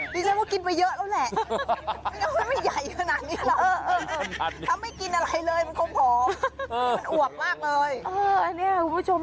๕เมตรคุณผู้ชม